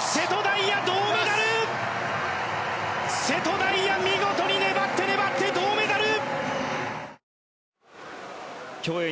瀬戸大也、見事に粘って粘って銅メダル！